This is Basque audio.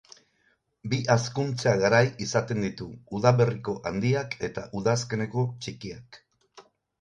Bi hazkuntza garai izaten ditu, udaberriko handiak eta udazkeneko txikiak.